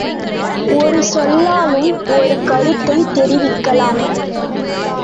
ஒரு சொல்லாலும் ஒரு கருத்தைத் தெரிவிக்கலாம்.